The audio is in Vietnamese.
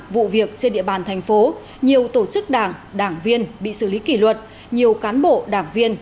vụ việc trên địa bàn thành phố nhiều tổ chức đảng đảng viên bị xử lý kỷ luật nhiều cán bộ đảng viên